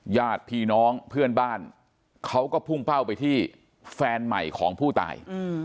ญาติพี่น้องเพื่อนบ้านเขาก็พุ่งเป้าไปที่แฟนใหม่ของผู้ตาย